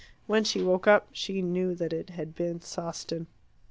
When she woke up she knew that it had been Sawston.